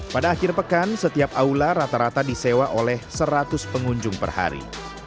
pada akhir pekan setiap aula rata rata disewa oleh seratus pengunjung per hari